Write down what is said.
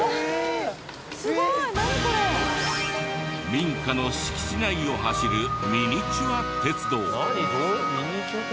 民家の敷地内を走るミニチュア鉄道。